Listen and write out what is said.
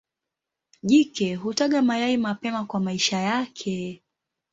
Jike hutaga mayai mapema kwa maisha yake.